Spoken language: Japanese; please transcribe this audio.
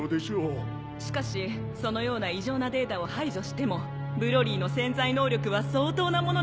しかしそのような異常なデータを排除してもブロリーの潜在能力は相当なものです！